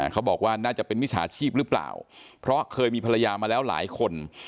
เขาบอกว่าน่าจะเป็นมิจฉาชีพหรือเปล่าเพราะเคยมีภรรยามาแล้วหลายคน